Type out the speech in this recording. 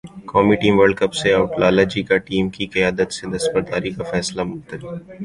قومی team World Cup سے اٹ لالہ جی کا ٹیم کی قیادت سے دستبرداری کا فیصلہ ملتوی